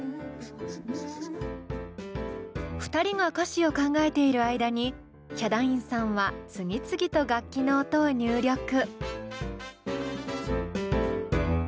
２人が歌詞を考えている間にヒャダインさんは次々と楽器の音を入力。